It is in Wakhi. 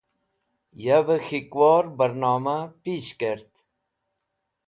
Yavey K̃hikwor Barnoma Pish Kert